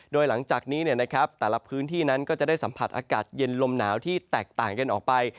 โดยหลังจากนี้แต่ละพื้นที่นั้นก็จะได้สัมผัสอากาศเย็นลมหนาวที่แตกต่างกันออกไป